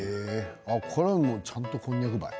これはちゃんとこんにゃくばい。